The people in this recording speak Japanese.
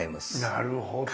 なるほど。